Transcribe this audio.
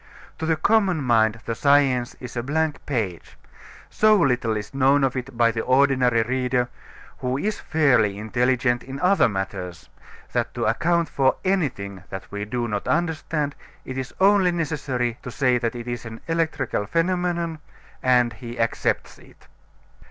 To the common mind the science is a blank page. So little is known of it by the ordinary reader, who is fairly intelligent in other matters, that to account for anything that we do not understand it is only necessary to say that it is an electrical phenomenon and he accepts it.